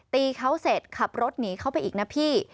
ตีเขาเสร็จขับรถหนีเข้าไปอีกนะพี่